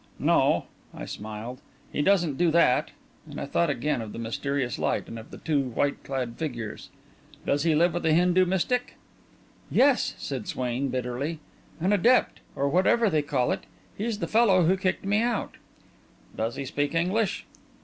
"No," I smiled, "he doesn't do that," and I thought again of the mysterious light and of the two white clad figures. "Does he live with a Hindu mystic?" "Yes," said Swain, bitterly. "An adept, or whatever they call it. He's the fellow who kicked me out." "Does he speak English?"